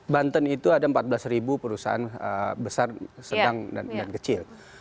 banten itu ada empat belas perusahaan besar sedang dan kecil